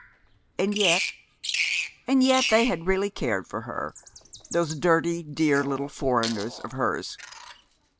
And yet and yet they had really cared for her, those dirty, dear little foreigners of hers.